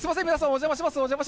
お邪魔します。